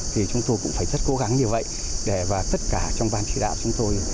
thì chúng tôi cũng phải rất cố gắng như vậy và tất cả trong ban chỉ đạo chúng tôi